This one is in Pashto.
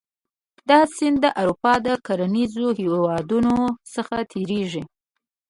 دا سیند د اروپا د کرنیزو هېوادونو څخه تیریږي.